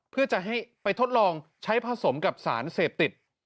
เพื่อจะให้ไปทดลองใช้ผสมกับสารเสพติด